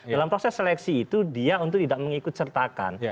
dalam proses seleksi itu dia untuk tidak mengikut sertakan